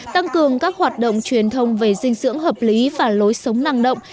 tăng cường các hoạt động truyền thông về dinh dưỡng hợp lý và lối sống năng động